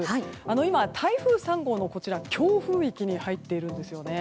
今、台風３号の強風域に入っているんです。